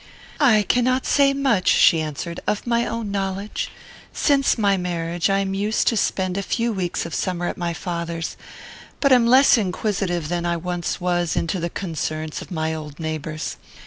"I cannot say much," she answered, "of my own knowledge. Since my marriage, I am used to spend a few weeks of summer at my father's, but am less inquisitive than I once was into the concerns of my old neighbours.